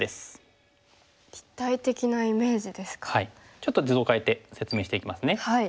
ちょっと図を変えて説明していきますね。